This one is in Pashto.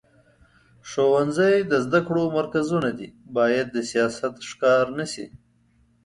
ښوونځي د زده کړو مرکزونه دي، باید د سیاست ښکار نه شي.